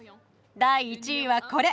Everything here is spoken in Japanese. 第１位はこれ。